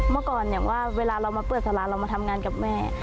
เมื่อก่อนเวลาเรามาเปิดสลานเรามาทำงานกับแม่